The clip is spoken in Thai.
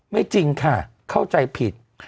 จริงค่ะเข้าใจผิด